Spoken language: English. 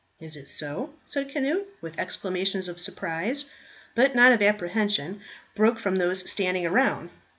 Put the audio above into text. "Is it so?" said Cnut, while exclamations of surprise, but not of apprehension, broke from those standing round.